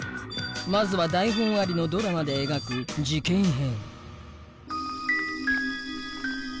まずは台本ありのドラマで描く事件編